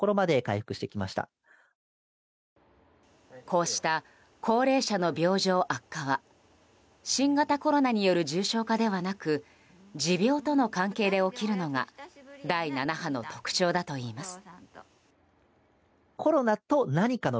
こうした高齢者の病状悪化は新型コロナによる重症化ではなく持病との関係で起きるのが第７波の特徴だといいます。